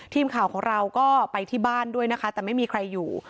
ทีมข่าวของเราก็ไปที่บ้านด้วยนะคะแต่ไม่มีใครอยู่